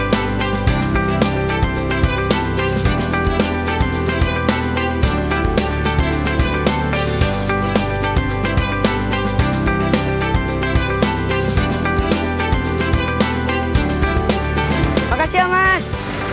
terima kasih mas